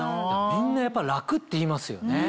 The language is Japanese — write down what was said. みんなやっぱ楽って言いますよね。